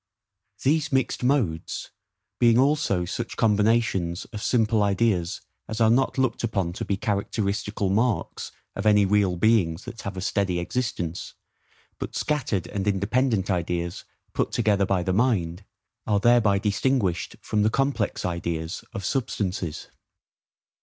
These mixed modes, being also such combinations of simple ideas as are not looked upon to be characteristical marks of any real beings that have a steady existence, but scattered and independent ideas put together by the mind, are thereby distinguished from the complex ideas of substances.